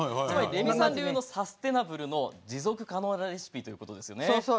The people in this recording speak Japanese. レミさん流のサステイナブルの持続可能なレシピということですね。